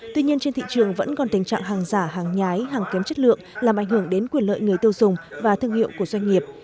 tuy nhiên trên thị trường vẫn còn tình trạng hàng giả hàng nhái hàng kém chất lượng làm ảnh hưởng đến quyền lợi người tiêu dùng và thương hiệu của doanh nghiệp